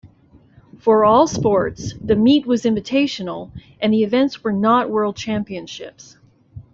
For all sports, the meet was invitational and the events were not world championships.